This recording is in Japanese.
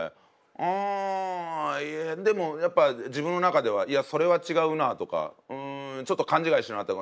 「うん」でもやっぱり自分の中では「いやそれは違うな」とか「うんちょっと勘違いしてるな」とか。